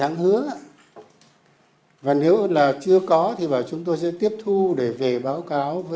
phải bổ sung luật pháp vào thì mới giải quyết được